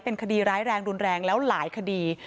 เป็นคดีร้ายแรงรุนแรงแล้วหลายคดี